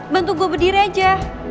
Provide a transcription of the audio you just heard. bantu gue berdiri aja